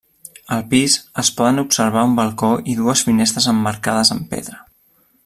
Al pis es poden observar un balcó i dues finestres emmarcades amb pedra.